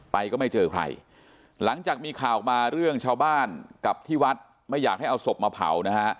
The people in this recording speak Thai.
ก็ไม่เจอใครหลังจากมีข่าวมาเรื่องชาวบ้านกับที่วัดไม่อยากให้เอาศพมาเผานะฮะ